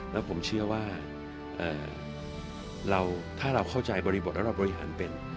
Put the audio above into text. แล้วผมเชื่อว่าถ้าเราเข้าใจบริบทแล้วเราบริหารเป็น